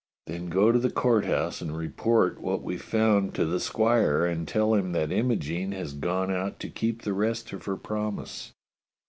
"Then go to the Court House and report what we've found to the squire, and tell him that Imogene has gone out to keep the rest of her promise."